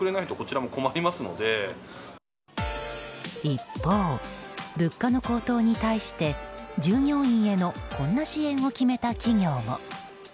一方、物価の高騰に対して従業員へのこんな支援を決めた企業も。